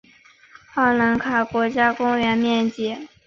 奥兰卡国家公园面积。